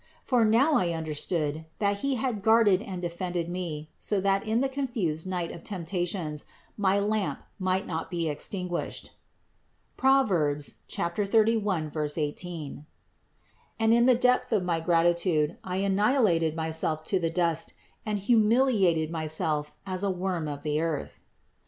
For now I understood, that He had guarded and defended me, so that in the confused night of temptations my lamp might not be extinguished (Prov. 31, 18) ; and in the depth of my gratitude I annihilated myself to the dust and humiliated myself as a worm of the earth.